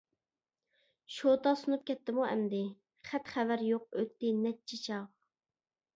شوتا سۇنۇپ كەتتىمۇ ئەمدى، خەت-خەۋەر يوق ئۆتتى نەچچە چاغ.